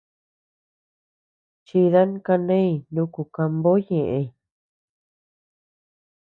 Chidan kaneñ nuku kambo ñeʼeñ.